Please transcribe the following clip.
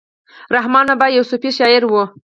رحمان بابا يو صوفي شاعر وو.